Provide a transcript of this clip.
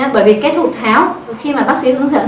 bởi vì cái thục tháo khi mà bác sĩ hướng dẫn